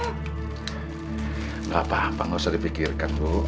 tidak apa apa pak enggak usah dipikirkan ibu